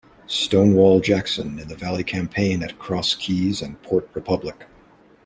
"Stonewall" Jackson in the Valley Campaign at Cross Keys and Port Republic.